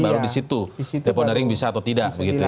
baru di situ deponering bisa atau tidak